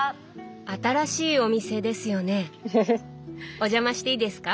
お邪魔していいですか？